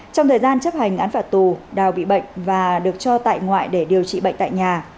trong thời gian chấp hành án phạt tù đào bị bệnh và được cho tại ngoại để điều trị bệnh tại nhà